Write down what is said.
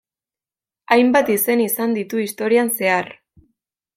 Hainbat izen izan ditu historian zehar.